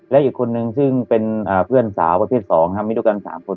และอีกคนนึงซึ่งเป็นอ่าเพื่อนสาวประเทศสองค่ะมีด้วยกันสามคน